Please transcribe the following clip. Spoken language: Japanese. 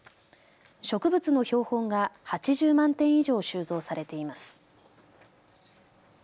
植物の標本が８０万点以上収蔵されています。